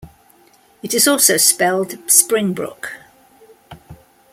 It is also spelled Spring Brook.